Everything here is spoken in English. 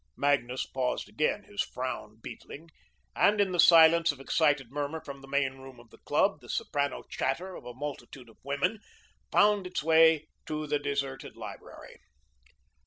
Magnus paused again, his frown beetling, and in the silence the excited murmur from the main room of the club, the soprano chatter of a multitude of women, found its way to the deserted library.